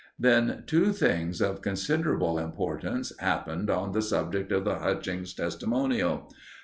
Then two things of considerable importance happened on the subject of the Hutchings Testimonial.